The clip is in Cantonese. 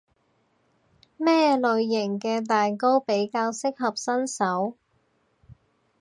咩類型嘅蛋糕比較適合新手？